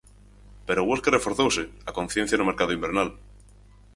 Pero o Huesca reforzouse a conciencia no mercado invernal.